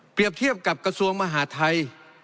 เปรียบเทียบกับกระทรวงมหาทัย